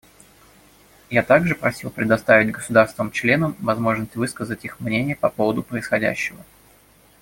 Я также просил предоставить государствам-членам возможность высказать их мнения по поводу происходящего.